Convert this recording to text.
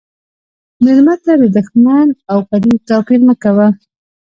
مېلمه ته د شتمن او غریب توپیر مه کوه.